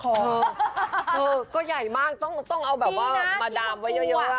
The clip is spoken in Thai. เออก็ใหญ่มากต้องเอาแบบว่ามาดามไว้เยอะ